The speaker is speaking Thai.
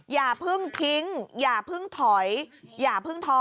อย่าเพิ่งทิ้งอย่าเพิ่งถอยอย่าเพิ่งท้อ